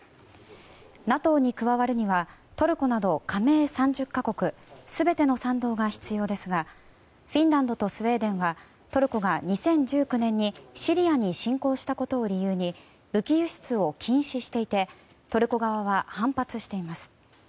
ＮＡＴＯに加わるにはトルコなど加盟３０か国全ての賛同が必要ですがフィンランドとスウェーデンはトルコが２０１９年にシリアに侵攻したことを理由に武器輸出を禁止していてトルコ側は反発しています。